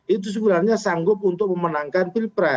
itu sebenarnya sanggup untuk memenangkan pilpres